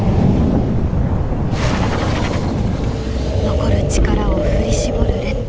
残る力を振り絞るレッド。